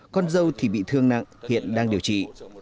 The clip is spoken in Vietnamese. con dâu thì bị thương nặng hiện đang điều trị